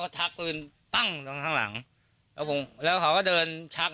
มือก็มาทำรับ